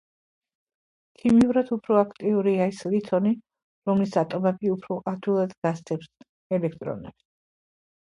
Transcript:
ქიმიურად უფრო აქტიურია ის ლითონი, რომლის ატომები უფრო ადვილად გასცემს ელექტრონებს.